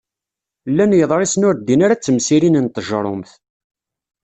Llan yeḍrisen ur ddin ara d temsirin n tjerrumt.